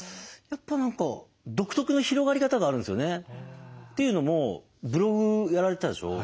やっぱ何か独特の広がり方があるんですよね。というのもブログやられてたでしょ。